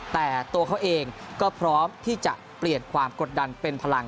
แต่ตัวเขาเองก็พร้อมที่จะเปลี่ยนความกดดันเป็นพลัง